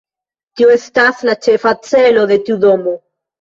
Tio estas la ĉefa celo de tiu domo.